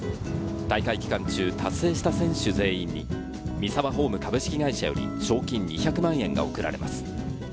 大会期間中、達成した選手全員にミサワホーム株式会社より賞金２００万円が贈られます。